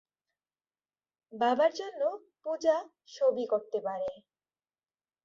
বাবার জন্য "পূজা" সবই করতে পারে।